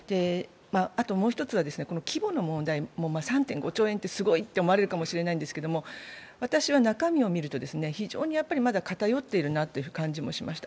あともう１つは、この規模の問題も３．５兆円ってすごいって思われると思うんですけど中身を見ると、非常にまだ偏っているなという感じがしました。